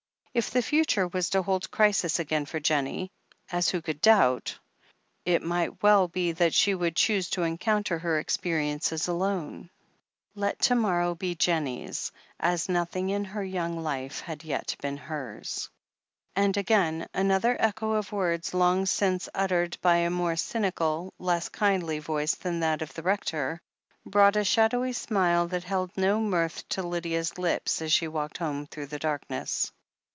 If the future was to hold crisis again for Jennie — as who could doubt — it might well be that she would choose to encounter her experiences alone. Let to morrow be Jennie's, as nothing in her young life had yet been hers. And again, another echo of words long since uttered by a more cynical, less kindly voice than that of the Rector, brought a shadowy smile that held no mirth to Lydia's lips as she walked home through the darkness.